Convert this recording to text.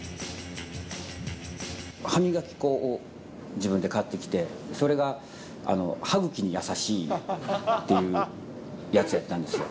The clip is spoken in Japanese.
歯磨き粉を自分で買ってきて、それが歯茎に優しいっていうやつやったんですよ。